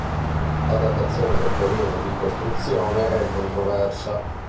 La datazione del periodo di costruzione è controversa.